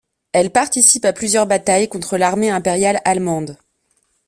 Elle participe à plusieurs batailles contre l'armée impériale allemande.